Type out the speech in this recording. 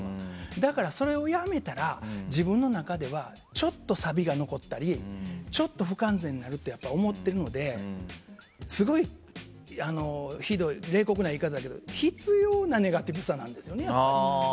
だから、それをやめたら自分の中ではちょっとサビが残ったりちょっと不完全になるって思ってるのですごいひどい冷酷な言い方だけど必要なネガティブさなんですね。